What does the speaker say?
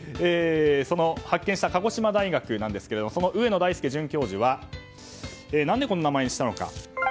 発見した鹿児島大学なんですがその上野大輔准教授は何で、この名前にしたのか。